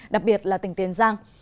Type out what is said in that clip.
đặc biệt là tỉnh tiền giang